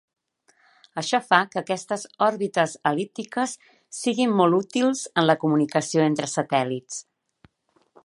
Això fa que aquestes òrbites el·líptiques siguin molt útils en la comunicació entre satèl·lits.